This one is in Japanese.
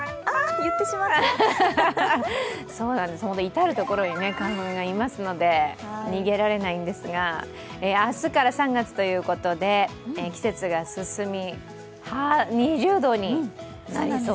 至る所に花粉がいますので、逃げられないんですが、明日から３月ということで季節が進み、２０度になりそうと。